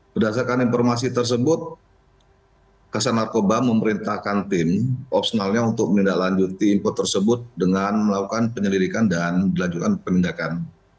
berdasarkan informasi tersebut kesan narkoba memerintahkan tim opsenalnya untuk menindaklanjuti info tersebut dengan melakukan penyelidikan dan dilanjutkan penindakan